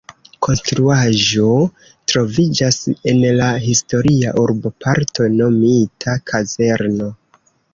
Konstruaĵo troviĝas en la historia urboparto nomita "Kazerno".